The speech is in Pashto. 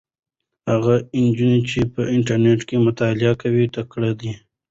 هغه نجلۍ چې په انټرنيټ کې مطالعه کوي تکړه ده.